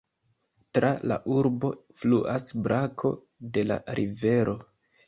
Tra la urbo fluas brako de la rivero.